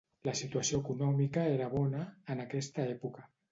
La situació econòmica era bona, en aquesta època.